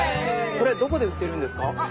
これどこで売ってるんですか？